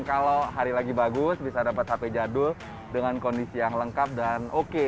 kalau hari lagi bagus bisa dapat hp jadul dengan kondisi yang lengkap dan oke